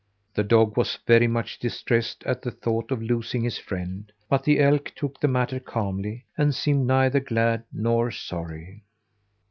The dog was very much distressed at the thought of losing his friend, but the elk took the matter calmly, and seemed neither glad nor sorry.